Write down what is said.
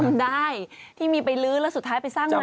ได้ที่มีไปลื้อแล้วสุดท้ายไปสร้างใหม่